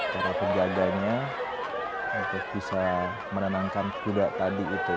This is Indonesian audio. para penjaganya untuk bisa menenangkan kuda tadi itu